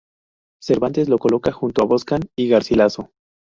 Cervantes lo coloca junto a Boscán y Garcilaso.